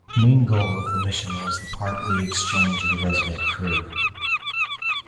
Main goal of the mission was the partly exchange of the resident crew.